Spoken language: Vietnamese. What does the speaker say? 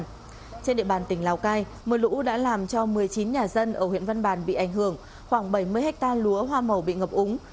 trên địa bàn tỉnh lào cai mưa lũ đã làm cho một mươi chín nhà dân ở huyện văn bàn bị ảnh hưởng khoảng bảy mươi hectare lúa hoa màu bị ngập úng